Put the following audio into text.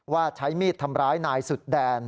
ว่าใช้มีดทำร้ายนายสุดแดน